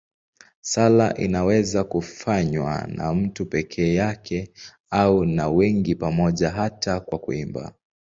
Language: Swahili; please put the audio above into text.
Sala inaweza kufanywa na mtu peke yake au na wengi pamoja, hata kwa kuimba.